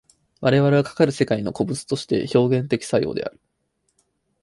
我々はかかる世界の個物として表現作用的である。